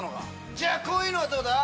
じゃあこういうのどうだ？